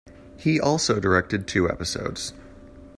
He also directed two episodes.